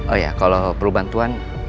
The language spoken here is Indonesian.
oh ya kalau perlu bantuan